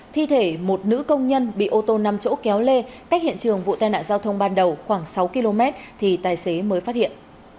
thi thể một nữ công nhân bị ô tô năm chỗ kéo lê cách hiện trường vụ tai nạn giao thông ban đầu khoảng sáu km thì tài xế mới phát hiện